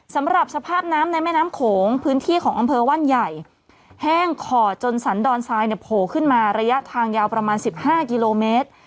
สำหรับสภาพน้ำในแม่น้ำโขงพื้นที่ของอำเภอว่านใหญ่แห้งขอดจนสันดอนทรายเนี่ยโผล่ขึ้นมาระยะทางยาวประมาณ๑๕กิโลเมตร